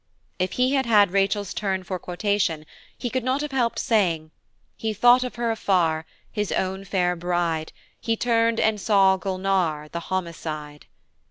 If he had had Rachel's turn for quotation, he could not have helped saying: "He thought of her afar, his own fair bride, He turned and saw Gulnare the homicide."